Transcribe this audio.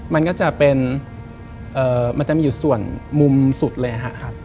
มันก็จะเป็นมันจะมีอยู่ส่วนมุมสุดเลยครับ